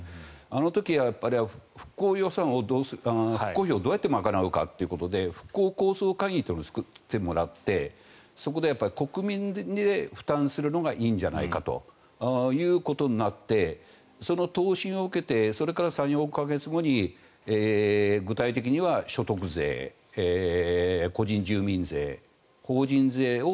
あの時、復興費をどうやって賄うかということで復興構想会議というのを作ってもらってそこで国民が負担するのがいいんじゃないかということになってその答申を受けてそれから３４か月後に具体的には所得税個人住民税、法人税を